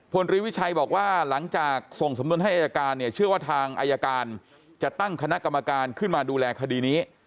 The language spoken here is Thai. รีวิชัยบอกว่าหลังจากส่งสำนวนให้อายการเนี่ยเชื่อว่าทางอายการจะตั้งคณะกรรมการขึ้นมาดูแลคดีนี้